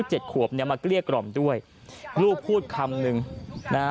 เจ็ดขวบเนี่ยมาเกลี้ยกล่อมด้วยลูกพูดคำหนึ่งนะฮะ